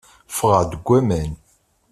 Ffɣeɣ-d seg waman.